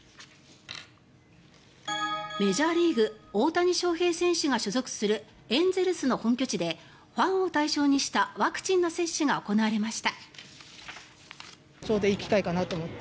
メジャーリーグ大谷翔平選手が所属するエンゼルスの本拠地でファンを対象にしたワクチンの接種が行われました。